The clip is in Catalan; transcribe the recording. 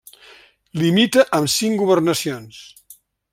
Limita amb cinc governacions.